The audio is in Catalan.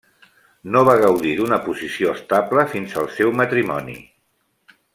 No va gaudir d'una posició estable fins al seu matrimoni.